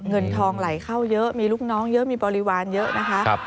เงินทองไหลเข้าเยอะมีลูกน้องเยอะมีบริวารเยอะนะคะ